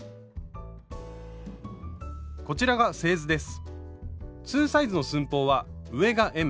こちらが製図です。